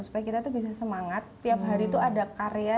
supaya kita tuh bisa semangat tiap hari tuh ada karya